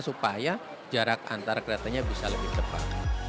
supaya jarak antara keretanya bisa lebih cepat